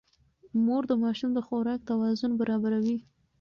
مور د ماشوم د خوراک توازن برابروي.